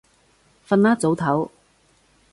瞓啦，早唞